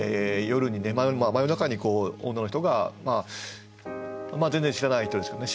真夜中に女の人が全然知らない人ですけどね